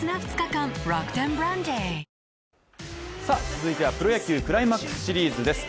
続いてはプロ野球、クライマックスシリーズです。